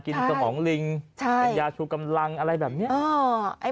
สมองลิงเป็นยาชูกำลังอะไรแบบนี้